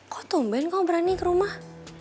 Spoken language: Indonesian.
kok tumben kamu berani ke rumah